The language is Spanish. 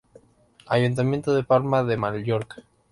Ayuntamiento de Palma de Mallorca.